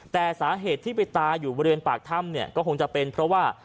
แต่สาเหตุที่ไปตายอยู่บริเวณปากถ้ำเนี่ยก็คงจะเป็นเพราะว่า